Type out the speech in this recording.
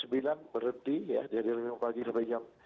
berhenti ya dari pagi sampai jam dua puluh satu